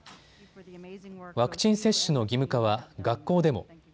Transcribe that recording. ワクチン接種の義務化は学校でも。